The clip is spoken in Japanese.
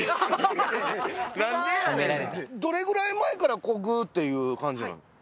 どれぐらい前からグーッていう感じなんですか？